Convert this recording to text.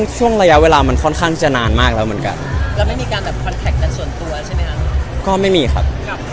ทำไมเขาคือยังใช้สัญลักษณ์กับคุณ